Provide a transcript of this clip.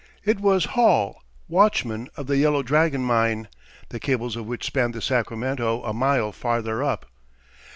It was Hall, watchman of the Yellow Dragon mine, the cables of which spanned the Sacramento a mile farther up.